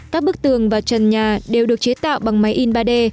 các bức tường và trần nhà đều được chế tạo bằng máy in ba d